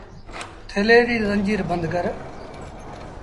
ٿيلي ريٚ زنجيٚر بند ڪر